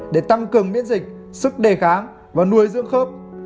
để tăng cường miễn dịch sức đề kháng và nuôi dưỡng khớp